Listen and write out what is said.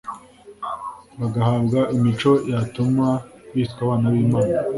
bagahabwa imico yatuma bitwa abana b’Imana